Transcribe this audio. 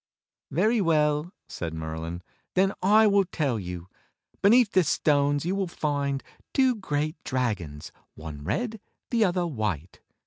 "Very well," said Merlin, "then I will tell you. Beneath the stones you will find two great dragons, one red, the other white.